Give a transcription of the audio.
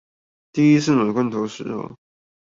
第一次買罐頭的時候